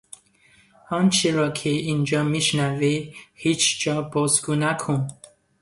آنچه را که اینجا میشنوی هیچجا بازگو نکن.